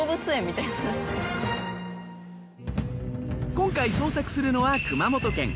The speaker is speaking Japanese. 今回捜索するのは熊本県。